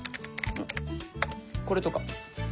これとか。